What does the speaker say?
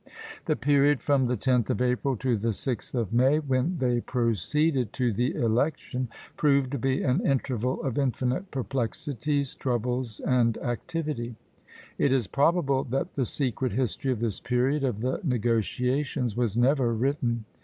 The period from the 10th of April to the 6th of May, when they proceeded to the election, proved to be an interval of infinite perplexities, troubles, and activity; it is probable that the secret history of this period of the negotiations was never written.